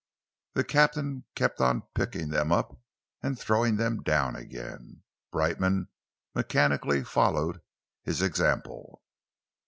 The captain kept on picking them up and throwing them down again. Brightman mechanically followed his example.